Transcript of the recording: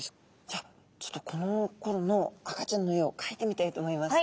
じゃあちょっとこのころの赤ちゃんの絵をかいてみたいと思います。